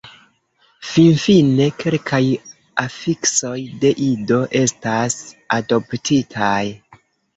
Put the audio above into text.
Finfine kelkaj afiksoj de Ido estas adoptitaj.